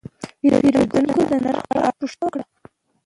پیرودونکی د نرخ په اړه پوښتنه وکړه.